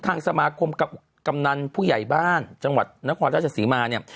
ทางสมาคมกำนันผู้ใหญ่บ้านจังหวัดนครราชศรีมาเนี่ย